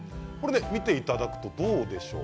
見ていただくとどうでしょうか。